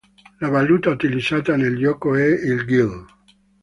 La 'valuta' utilizzata nel gioco è il "guil".